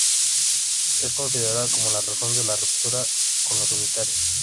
Es considerado como la razón de la ruptura con los unitarios.